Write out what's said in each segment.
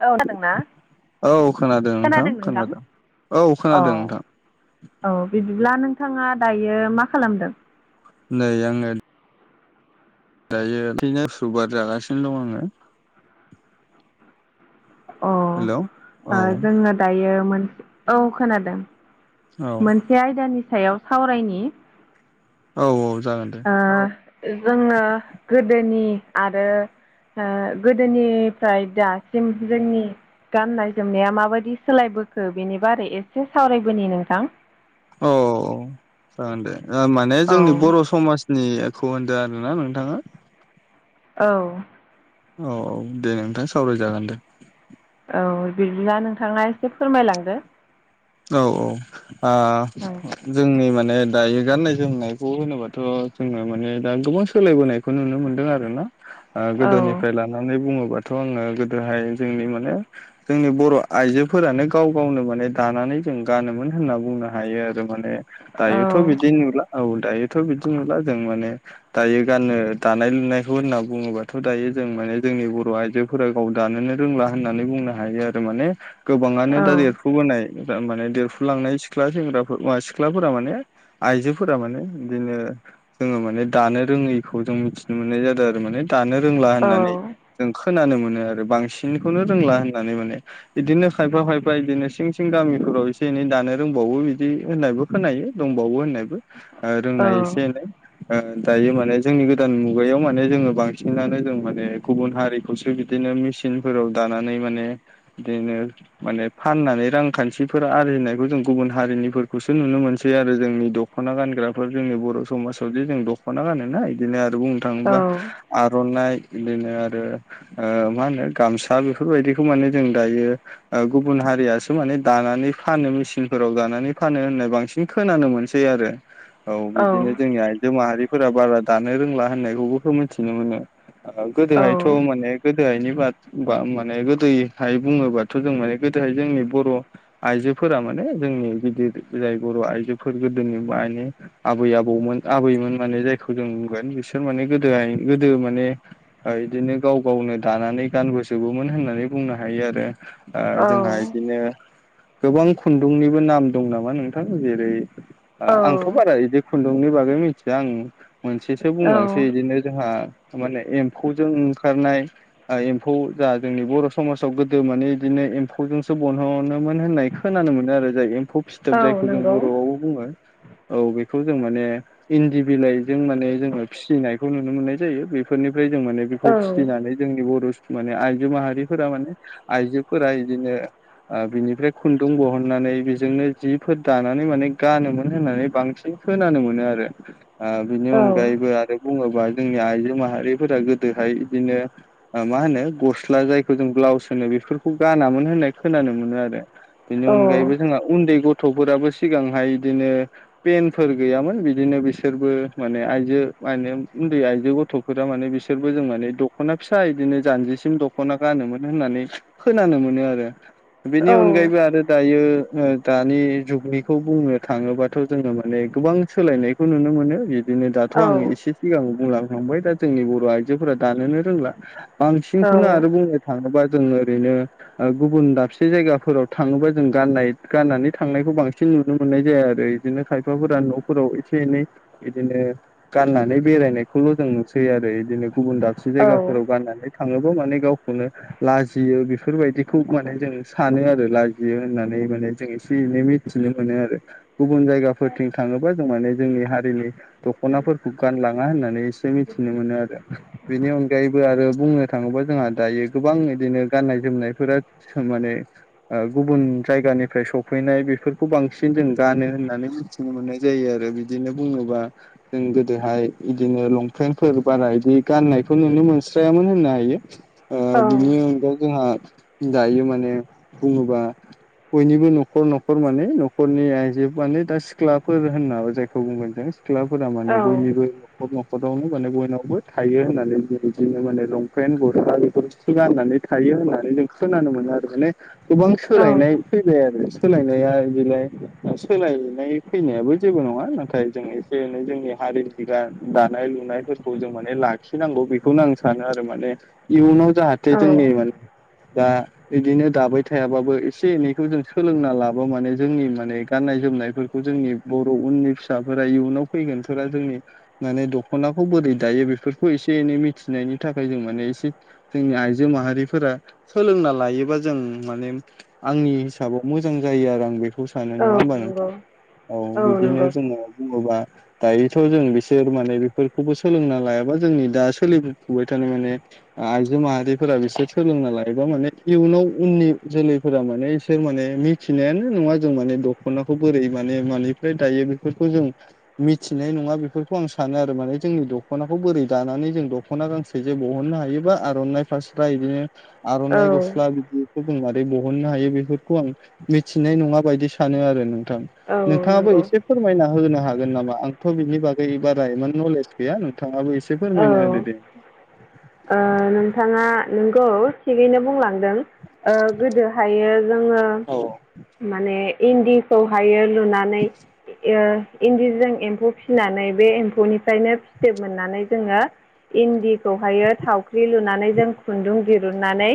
औ खोनादोंना खोनादों नोंथां औ खोनादों नोंथां औ बिदिब्ला नोंथाङा दायो मा खालामदों? नै आङो दायो ओरैनो सु बार जागासिनो दं आङो। हेलौ औ अ जोङो दायो मोनसे औ खोनादों। औ मोनसे आयदानि सायाव सावरायनि। औ औ जागोन दे। ओ जोङो गोदोनि आरो ओ गोदोनिफ्राय दासिम जोंनि गाननाय जोमनाया माबायदि सोलायबोखो बेनि बारै एसे सावरायबोनि नोंथां। औ जागोन दे ओ माने औ जोंनि बर' समाज निखौ होनदों आरोना नोंथाङा औ। औ दे नोंथां सावरायजागोन दे। औ बिदिब्ला नोंथाङा एसे फोरमायलांदो‌। औ औ ओ औ जोंनि माने दायो गाननाय जोमनायखौ होनोबाथ' जोङो माने दा गोबां सोलायबोनाय खौ नुनो मोनदों आरोना ओ औ गोदोनिफ्राय लानानै बुङोबा थ' आङो गोदोहाय जोंनि माने जोंनि बर' आइजोफोरानो गाव गावनो माने दानानै जों गानोमोन होनना बुंनो हायो आरो माने दायोथ' बिदि नुला। औ दायोथ' बिदि नुला जों माने दायो गाननो दानाय लुनायखौ होनना बुङोबाथ' दायो जों माने जोंनि बर' आइजो फोरा गाव दानोनो रोंला होननानै बुंनो हायो आरो माने गोबाङानो औ दा देरफुबोनाय ओ दा माने देरफुलांनाय सिख्ला सेंग्राफोर ओ सिख्लाफोरा माने आइजोफोरा माने बिदिनो जोङो माने दानो रोङैखौ जों मिथिनो मोननाय जादों आरो माने दानो रोंला औ होननानै जों खोनानो मोनो आरो बांसिनखौनो रोंला होननानै माने इदिनो खायफा खायफा इदिनो सिं थिं गामिफोराव एसे एनै दानो रोंबावो बिदि होननायबो खोनायो दंबावो होननायबो। ओ रोंनाय एसे एनै। ओ दायो माने जोंनि गोदान मुगायाव माने जोङो बांसिनानो जों माने गुबुन हारिखौसो बिदिनो मेचिनफोराव दानानै माने बिदिनो माने फाननानै रां खान्थिफोरा आरजिनायखौ जों गुबुन हारिनिफोरखौसो नुनो मोनसै आरो जोंनि दख'ना गानग्रा फोर जोंनि बर' समाजाव जे जों दख'ना गानोना इदिनो आरो बुंनो थाङोबा आर'नाइ बिदिनो आरो ओ मा होनो गामसा बेफोरबायदिखौ माने जों दायो ओ गुबुन हारिया खौ माने दानानै फानो मेसिनफोराव दानानै फानो होननाय बांसिन खोनानो मोनसै आरो। औ बिदिनो जोंनि आइजो माहारिफोरा बारा दानो रोंला होननायखौबोथ' मिन्थिनो मोनो। ओ गोदोहायथ' माने गोदोहायनि बाद बा माने गोदोयैहाय बुङोबा थ' जों माने गोदोहाय जोंनि बर' आइजोफोरा माने जोंनि गिदिर जाय बर' आइजोफोर गोदोनि मायनि आबै आबौमोन आबैमोन माने जायखौ जों बुंगोन बिसोर माने गोदोहाय गोदो माने ओ इदिनो गाव गावनो दानानै गानबोजोबोमोन होननानै बुंनो हायो आरो। ओ औ जोंहा इदिनो गोबां खुन्दुंनिबो नाम दं नामा नोंथां जेरै ओ औ आंथ' बारा इदि खुन्दुंनि बागै मिथिया आं मोनसेसो बुंलांसै बिदिनो जोंहा माने एम्फौजों ओंखारनाय ओ एम्फौ जा जोंनि बर' समाजाव गोदो माने इदिनो एम्फौजों सो बनहनोमोन होननाय खोनानो मोनो आरो जाय एम्फौ औ फिथोब जायखौ जों नंगौ बर'आव बुङो। औ बेखौ जों माने इन्दि बिलाइजों माने जोङो फिसिनायखौ नुनो मोननाय जायो बे फोरनिफ्राय जों माने औ बेखौ फिसिनानै जोंनि बर' माने आइजो माहारिफोरा माने आइजोफोरा इदिनो ओ बिनिफ्राय खुन्दुं बहननानै बेजोंनो जिफोर दानानै माने गानोमोन होननानै बांसिन खोनानो मोनो आरो ओ बिनि औ अनगायैबो आरो बुङोबा जोंनि आइजो माहारिफोरा गोदोहाय इदिनो मा होनो गस्ला जायखौ जों ब्लाउस होनो बेफोरखौ गानामोन होननाय खोनानो मोनो आरो बेनि औ अनगायैबो जोंहा उन्दै गथ'फोराबो सिगांहाय इदिनो पेनफोर गैयामोन बिदिनो बिसोरबो माने आइजो म उन्दै आइजो गथ' फोरा माने बिसोरबो जों माने दख'ना फिसा इदिनो जानजिसिम दख'ना गानोमोन होननानै खोनानो मोनो आरो बेनि अनगायैबो आरो दायो ओ दानि जुगनिखौ बुंनो थाङोबाथ' जोङो माने गोबां सोलायनायखौ नुनो मोनो बि बिदिनो औ दाथ' आं एसे सिगां बुंलांखांबाय दा जोंनि बर' आइजोफोरा दानोनो रोंला। बांसिनखौनो आरो बुंनो थाङोबा जों ओरैनो गुबुन दाबसे जायगाफोराव थाङोबा जों गाननाय गाननानै थांनायखौ बांसिन नुनो मोननाय जाया आरो। बिदिनो खायफाफोरा न'फोराव एसे एनै इदिनो गाननानै बेरायनायखौल' जों नुसै आरो इदिनो गुबुन दा से औ जायगाफोराव गाननानै थाङोबा माने गावखौनो लाजियो बेफोरबायदि खौ माने जों सानो आरो लाजियो होननानै माने जों एसे एनै मिथिनो मोनो आरो‌। गुबुन जायगाफोरथिं थाङोबा जों माने जोंनि हारिनि दख'नाफोरखौ गानलाङा होननानै एसे मिथिनो मोनो आरो। बेनि अनगायैबो आरो बुंनो थाङोबा जोंहा दायो गोबां इदिनो गाननाय जोमनायफोरा हो माने ओ गुबुन जायगानिफ्राय सफैनाय बेफोरखौ बांसिन जों गानो होननानै नो मोननाय जायो आरो बिदिनो बुङोबा जों गोदोहाय बिदिनो लंपेन्टफोर बारा इदि गाननायखौ नुनो मोनस्रायामोन होननो हायो। बिनि अनगायै जोंहा दायो माने बुङोबा बयनिबो न'खर न'खर माने न'खरनि आइजो माने दा सिख्लाफोर होनना जायखौ बुंगोन जों सिख्लाफोरा माने बयनिबो नखर नखरावनो माने बयनावबो थायो होननानै बिदिनो माने लंपेन्ट गुरस्ला बेफोर गाननानै थायो होननानै जों खोनानो मोनो आरो माने गोबां सोलायनाय फै जाया आरो सोलायनाया इदिलाय सोलायनाय फैनायाबो जेबो नङा नाथाय जों बेनो जोंनि हारिनि बा दानाय लुनायफोरखौ जों माने लाखिनांगौ बेखौनो आं सानो आरो माने इयुनाव जाहाथे जोंनि माने द बिदिनो दाबाय थायाबाबो एसे एनैखौ जों सोलोंना लाबा माने जोंनि माने गाननाय जोमनायफोरखौ जोंनि बर' उननि फिसाफोरा इयुनाव फैगोन फोरा जोंनि माने दख'नाखौ बोरै दायो बेफोरखौ एसे एनै मिथिनायनि थाखाय जों माने एसे जोंनि आइजो माहारिफोरा सोलोंना लायोबा जों माने आंनि हिसाबाव मोजां जायो आरो आं बे खौ सानो नङा होमबा नोंथां? औ बिदिनो नंगौ जोङो बुङोबा दायोथ' जों बिसोर माने बेफोरखौबो सोलोंना लायाबा जोंनि दा सोलिबोफुबाय थानाय माने आइजो माहारिफोरा बिसोर सोलों नालाय एबा माने इयुनाव उननि जोलैफोरा माने इसोर माने मिथिनायानो नङा जों माने द दख'नाखौ बोरै माने मानिफ्राय दायो बेफोरखौ जों मिथिनाय नङा बेफोरखौ आं सानो आरो माने जोंनि दख'नाखौ बोरै दानानै जों दख'ना गांसे बिदि बहननो हायोबा आर'नाइ फारसेफ्रा इदिनो औ आर'नाइ गस्ला बिदि मारै बहननो हायो बेफोरखौ आं मिथिनाय नङा बायदि सानो आरो नोंथां। औ नोंथाङाबो नंगौ एसे फोरमायना होनो हागोन नामा आंथ' बिनि बागै बारा इमान नलेज गैया नोंथाङाबो एसे औ सेपार ओ मायन आरो ददि नोंथाङा नोंगौ थिगैनो बुंलां गोदोहायो जोङो औ माने इन्दिखौहायो लुनानै इन्दिजों एम्फौ फिसिनानै बे एम्फौनिफ्रायनो फिथोब मोननानै जोङो इन्दिखौहायो थावख्रि लुनानै जों खुन्दुं दिरुनन्नानै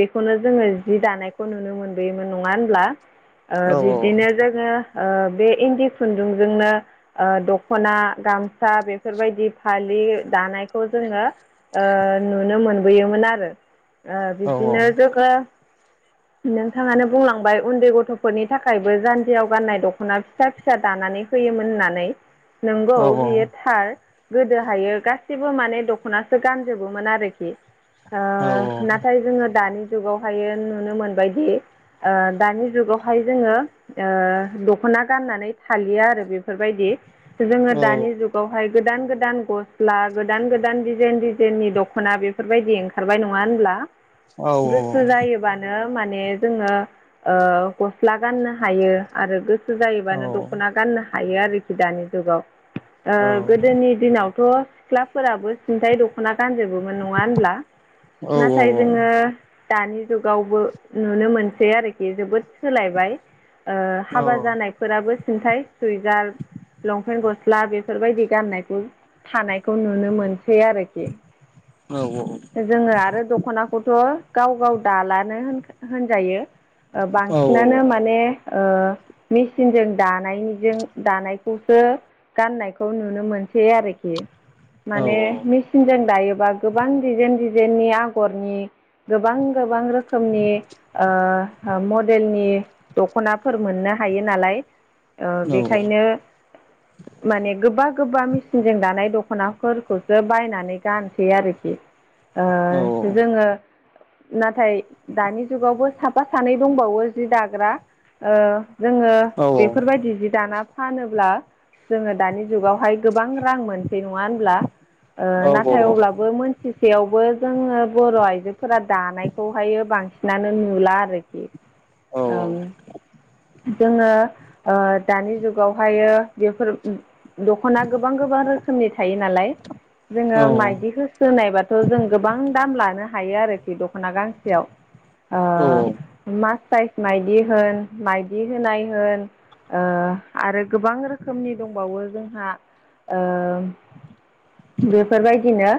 बेखौनो जोङो जि दानायखौ नुनो मोनबोयोमोन नङा होनब्ला औ बिदिनो जों बे इन्दि खुन्दुंजोंनो। दख'ना गामसा बेफोरबायदि फालि दानायखौ जोङो। नुनो मोनबोयोमोन आरो औ बिदिनो जोङो नोंथाङानो बुंलांबाय उन्दै गथ'फोरनि थाखायबो जान्जियाव गाननाय दख'ना फ फिसा फिसा दानानै होयोमोन होननानै नंगौ औ बियो थार। गोदो हायो गासिबो माने दख'नासो गानजोबोमोन आरोखि। ओ औ नाथाय जोङो दानि जुगावहाय नुनो मोनबायदि दानि जुगावहाय जोङो। दख'ना गाननानै थालिया आरो बेफोरबायदि जोङो औ दानि जुग बेवहाय गोदान गोदान गस्ला गोदान गोदान डिजाइन डिजाइननि दख'ना बे बेफोरबायदि ओंखारबाय नङा होनब्ला औ गोसो जायोबानो। म जोङो गस्ला गाननो हायो आरोस बुस्थ औ जायोबानो दख'ना गाननो हायो आरोखि दानि जुगाव गोदोनि दिनाव थ' सिख्लाफोराबो सिन्थायाइ दख'ना गानजोबोमोन नङा होनब्ला औ नाथाय जोङो दानि जुग गावबो नुनो मोनसै आरोखि जोबोद सोलायबाय हाबा जानाय फोराबो सिन्थाय सुइिगार लंपेन्ट गस्ला बेफोरबायदि गाननायखौ थानायखौ नुनो मोनसै आरोखि। औ औ औ। जोङो आरो दख'नाखौथ' गाव गाव दालानो होनजायो। औ बांसिनानो माने ओ मेसििनजों दानायनिजों दानायखौसो गाननायखौ नुनो मोनसै आरोखि औ माने मेचिनजों दायोबा गोबां डिजाइेन डिजाइेननि आगरनि गोबां गोबां रोखोमनि मडेलनि दख'नाफोर मोननो हायो नालाय बेखायनो माने गोबा गोबा मेचिनजों दानाय दख'नाफोरखौसो बायनानै गानसै आरोखि [inaudible] जोङो नाथाय दानि जुगावबो साफा सानै दंबावो जि दाग्रा जोङो बेफोरबायदि जि दाना फानोब्ला जोङो दानि जुगावहाय गोबां रां मोनसै नङा होनब्ला नाथाय अब्लाबो मोनथिसेयावबो जोङो बर' आइजोफोरा दानायखौहायो बांसिनानो नुला आरोखि जोङो दानि जुगावहायो बेफोर दख'ना गोबां गोबां रोखोमनि थायो नालाय जोङो माइदिखौसोनायबाथ' जों गोबां दाम लानो हायो आरो दख'ना गांसेयाव मासटाइस माइदि होन माइदि होनाय होन आरो गोबां रोखोमनि दंबावो जोंहा बेफोरबायदिनो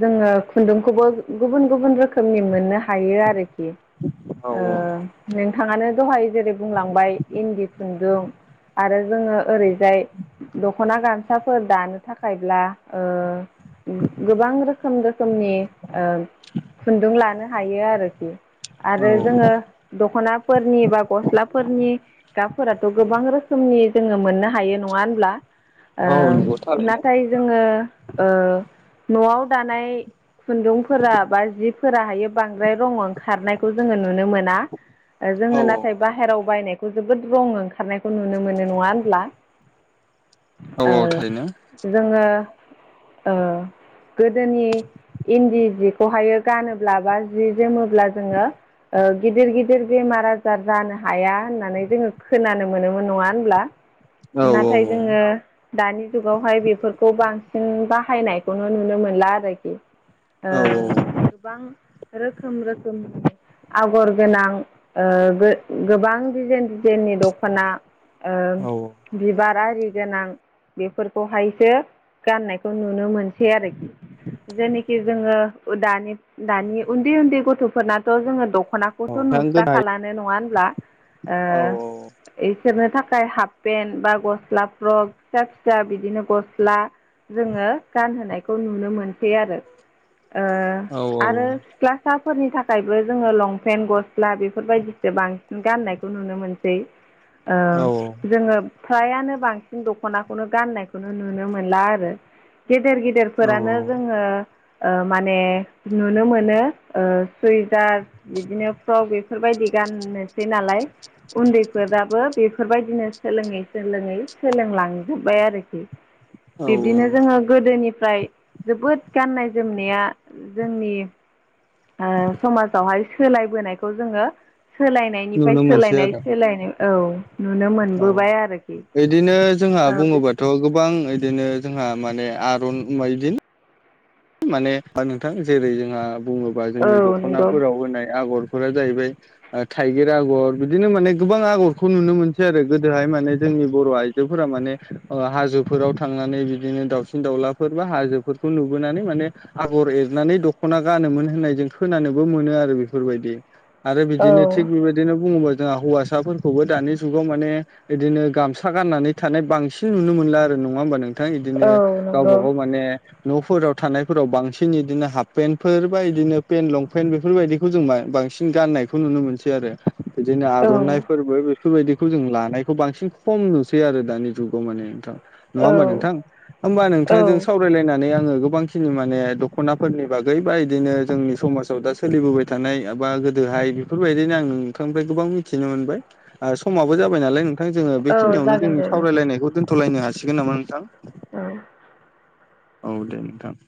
जोङो खुन्दुंखौबो गुबुन गुबुन रोखोम रोखोमनि मोननो हायो आरोखि नोंथाङानो दहाय जेरै बुंलांबाय इन्दि खुन्दुं आरो जोङो ओरैजाय दख'ना गामसाफोर दानो थाखायब्ला ओ गोबां रोखोम रोखोमनि ओ खुन्दुं लानो हायो आरोखि आरो जोङो दख'नाफोरनि बा गस्लाफोरनि गाबफोराथ' गोबां रोखोमनि जोङो मोननो हायो नङा होनब्ला? ओ नंगौ थारैनो नाथाय जोङो ओ न'आव दानाय खुन्दुंफोरा बा जि फोराहायो बांद्राय रं ओंखारनायखौ जोङो नुनो मोना। औ जोङो नाथाय बाहेरायाव बायनायखौ जोबोद रं ओंखारनायखौ नुनो मोनो। नङा होनब्ला? औ ओ औ थारैनो जोङो ओ गोदोनि इन्दि जिखौहायो गानोब्ला बा जि जोमोब्ला जोङो ओ गिदिर गिदिर बेमार आजार जानो हाया होननानै जोङो खोनानो मोनोमोन। नङा होनब्ला? औ औ नाथाय जोङो दानि जुगावहाय बेफोरखौ बांसिन बाहायनायखौनो नुनो मोनला आरोखि। ओ औ गोबां रोखोम रोखोम आगर गोनां ओ गोबां डिजाइन डिजाइननि दख'ना ओ औ बिबार आरि गोनां बेफोरखौहायसो गाननायखौ नुनो मोनसै आरोखि। जेनोखि जोङो ओ दानि दानि उन्दै उन्दै गथ'फोरनाथ' जोङो दख'ना औ बथ' थां नुस्रा गोदाय खानो नङा होनब्ला? औ इसोरनो थाखाय हाफ पेन्ट बा गस्ला फ्रक फिसा फिसा बिदिनो गस्ला जोङो गानहोनायखौ नुनो मोनसै आरो। ओ औ आरो सिख्लासाफोरनि थाखायबो जोङो लंपेन्ट गस्ला बेफोरबायदिसो बांसिन गाननायखौ नुनो मोनसै। [inaudible] ओ जोङो फ्रायानो बांसिन दख'नाखौनो गाननायखौनो नुनो मोनला आरो। गेदेर गेदेर औ फोरानो जोङो ओ माने नुनो मोनो ओ सुइजार बिदिनो फ्रक बेफोरबायदि गाननोसै नालाय उन्दैफोराबो बेफोरबायदिनो सोलोङै सोलोङै सोलोंलांजोब्बाय आरोखि। औ बिब्दिनो जोङो गोदोनिफ्राय जोबोद गाननाय जोमनाया जोंनि समाजावहाय सोलायबोनायखौ जोङो सोलायनाय बेनिफ्राय नुनो मोनसै सोलायनाय आरो सोलायनाय औ। नुनो औ मोनबोबाय आरोखि बिदिनो जोंहा बुङोबा थ' गोबां बिदिनो जोंहा माने आरन माइदिन माने नोंथां जेरै जोंहा बुङोबा जोंनि औ नंगौ दख'नाफोराव होनाय आगरफोरा जाहैबाय ओ थाइगिर आगर बिदिनो माने गोबां आगरखौ नुनो मोनसै आरो गोदोहाय माने जोंनि बर' आइ जोफोरा माने हाजोफोराव थांनानै बिदिनो दाउसिन दाउलाफोर बा हाजोफोरखौ नुबोनानै माने आगर एरनानै दख'ना गानोमोन होननाय जों खोनानोबो मोनो आरो बेफोरबायदि। आरो औ बिदिनो थिग बेबायदिनो बुङोबा जोंहा हौवासाफोरखौबो दानि जुगाव माने बिदिनो गामसा गाननानै थानाय बांसिन नुनो मोनला आरो नङा होनोमबा नों थां बिदिनो औ गावबा नंगौ गाव माने न'फोराव थानायफोराव बांसिन इदिनो हाफ पेन्टफोर बा इदिनो पेन्ट लंपेन्ट बेफोरबायदिखौ जों बांसिन गाननाय खौ नुनो मोनसै आरो बिदिनो औ आर'नाइ फोरबो बेफोरबायदि खौ जों लानायखौ बांसिन खम नुसै आरो दानि जुगाव माने नोंथां। नङा औ होमबा नोंथां? होमबा औ नोंथांजों सावरायलायनानै आङो गोबां नि माने दख'नाफोरनि बागै बा इदिनो जोंनि समाजाव दा सोलिबोबाय थानाय बा गोदोहाय फोरबायदिनो आं नोंथांनिफ्राय गोबां मिथिनो मोनबाय। आ समाबो जाबाय नालाय नोंथां जोङो औ बेखिनियावनो जागोन जोंनि दे नोंथां सावरायलायनायखौ दोन थलायनो हासिगोन नामा नोंथां? उम औ दे नोंथां।